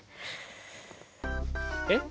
えっ。